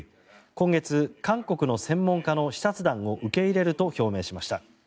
今月、韓国の専門家の視察団を受け入れると表明しました。